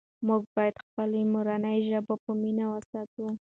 موږ باید خپله مورنۍ ژبه په مینه وساتو.